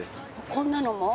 こんなのも？